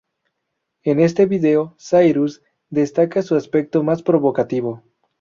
En este video Cyrus destaca su aspecto más provocativo.